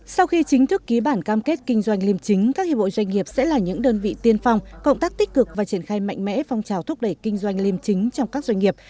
sau khi chính thức ký bản cam kết kinh doanh liêm chính các hiệp hội doanh nghiệp sẽ là những đơn vị tiên phong cộng tác tích cực và triển khai mạnh mẽ phong trào thúc đẩy kinh doanh liêm chính trong các doanh nghiệp